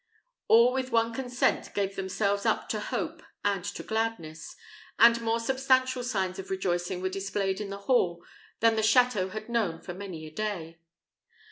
All with one consent gave themselves up to hope and to gladness; and more substantial signs of rejoicing were displayed in the hall than the château had known for many a day.